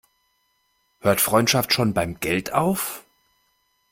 Hört Freundschaft schon beim Geld auf?